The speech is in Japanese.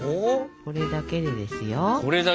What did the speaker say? これだけでですよ